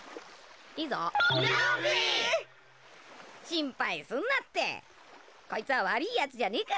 心配すんなってこいつは悪いやつじゃねえから。